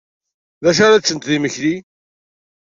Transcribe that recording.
D acu ara ččent d imekli?